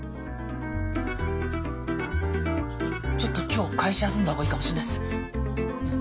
ちょっと今日会社休んだ方がいいかもしんないっす。